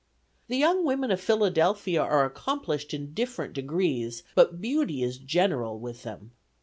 The young women of Philadelphia are accomplished in different degrees, but beauty is general with them.